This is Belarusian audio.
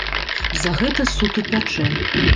За гэта суд упячэ.